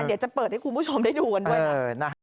เดี๋ยวจะเปิดให้คุณผู้ชมได้ดูกันด้วยนะ